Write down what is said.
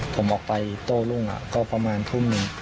ผมออกไปโต้รุ่งก็ประมาณทุ่มหนึ่ง